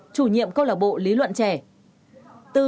chủ nhiệm công lạc bộ lý luận trẻ